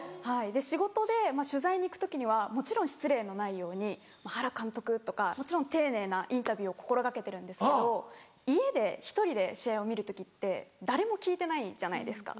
で仕事で取材に行く時にはもちろん失礼のないように「原監督」とか丁寧なインタビューを心掛けてるんですけど家で１人で試合を見る時って誰も聞いてないじゃないですか。